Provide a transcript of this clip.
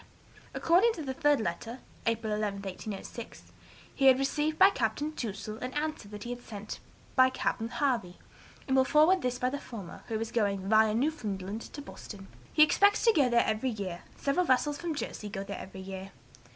According to the third letter (April 11, 1806), he had received by Capt. Touzel an answer to that he sent by Capt. Harvey, and will forward this by the former, who is going via Newfoundland to Boston. 'He expects to go there every year; several vessels from Jersey go there every year.'